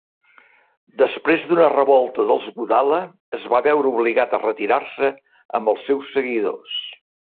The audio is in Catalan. Després d'una revolta dels Gudala es va veure obligat a retirar-se amb els seus seguidors.